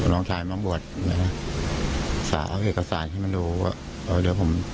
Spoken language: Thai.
น้องชายมาบวชสาวเอาเอกสารให้มันดู